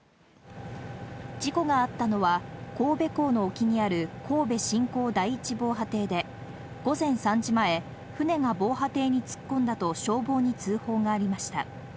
事故があったのは神戸港の沖にある神戸新港第一防波堤で午前３時前、船が防波堤に突っ込んだと消防に通報がありました。